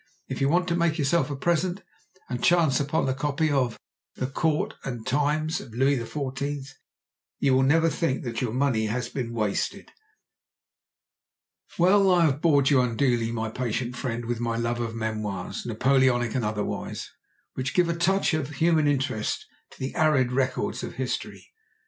If you want to make yourself a present, and chance upon a copy of "The Court and Times of Louis XIV.," you will never think that your money has been wasted. Well, I have bored you unduly, my patient friend, with my love of memoirs, Napoleonic and otherwise, which give a touch of human interest to the arid records of history.